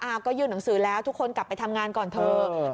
ก็ยื่นหนังสือแล้วทุกคนกลับไปทำงานก่อนเถอะ